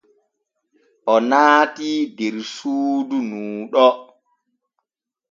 O naatii der suudu nuu ɗo.